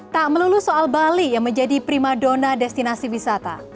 tak melulu soal bali yang menjadi prima dona destinasi wisata